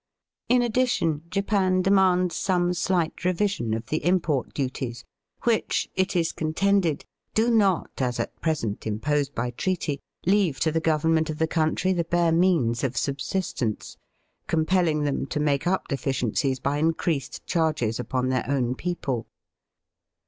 In addition, Japan demands some slight revision of the import duties, which, it is con. tended, do not, as at present imposed by treaty, leave to the Government of the country the bare means of subsistence, compelling them to make up deficiencies by increased charges upon their own people.